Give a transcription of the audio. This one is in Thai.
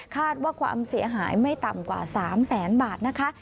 ว่าความเสียหายไม่ต่ำกว่า๓แสนบาทนะคะ